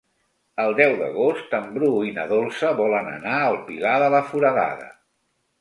El deu d'agost en Bru i na Dolça volen anar al Pilar de la Foradada.